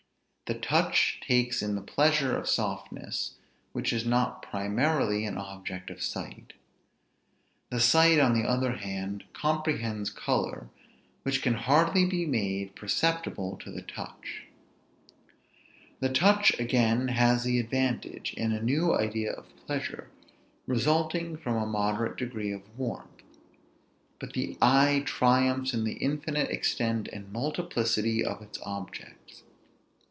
The touch takes in the pleasure of softness, which is not primarily an object of sight; the sight, on the other hand, comprehends color, which can hardly he made perceptible to the touch: the touch, again, has the advantage in a new idea of pleasure resulting from a moderate degree of warmth; but the eye triumphs in the infinite extent and multiplicity of its objects.